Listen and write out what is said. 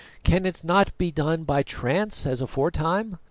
Can it not be done by trance as aforetime?